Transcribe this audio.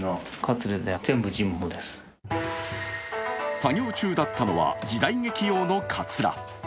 作業中だったのは時代劇用のかつら。